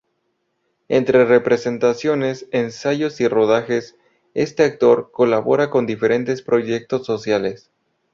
Entre representaciones, ensayos y rodajes, este actor, colabora con diferentes proyectos sociales.